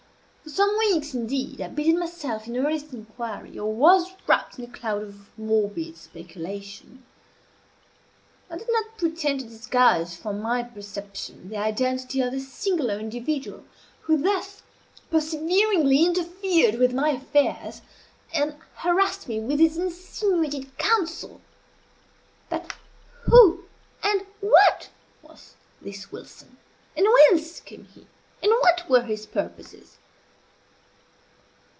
For some weeks, indeed, I busied myself in earnest inquiry, or was wrapped in a cloud of morbid speculation. I did not pretend to disguise from my perception the identity of the singular individual who thus perseveringly interfered with my affairs, and harassed me with his insinuated counsel. But who and what was this Wilson? and whence came he? and what were his purposes?